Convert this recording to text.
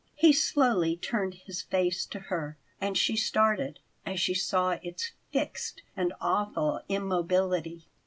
He slowly turned his face to her, and she started as she saw its fixed and awful immobility.